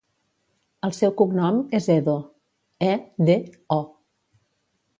El seu cognom és Edo: e, de, o.